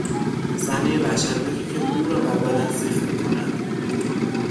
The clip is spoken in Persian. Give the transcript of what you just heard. صحنهی وحشتناکی که مو را بر بدن سیخ میکند